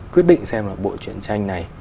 quyết định xem là bộ truyền tranh này